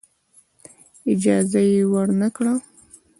اجازه یې ورنه کړه.